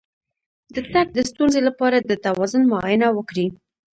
د تګ د ستونزې لپاره د توازن معاینه وکړئ